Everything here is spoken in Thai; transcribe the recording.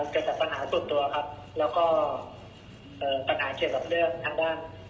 จัดปัญหาส่วนตัวครับแล้วก็เอ่อปัญหาเขียนแบบเลือกทั้งด้าน